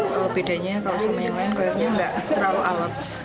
kalau bedanya kalau semua yang lain koyornya nggak terlalu awet